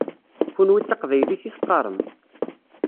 Kenwi d taqbaylit i teqqaṛem.